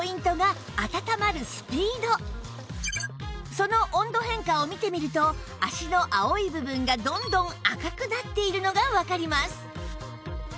その温度変化を見てみると脚の青い部分がどんどん赤くなっているのがわかります